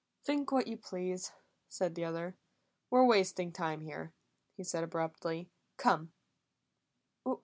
"Think what you please," said the other. "We're wasting time here," he said abruptly. "Come."